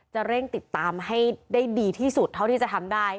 จะเร่งติดตามให้ได้ดีที่สุดเท่าที่จะทำได้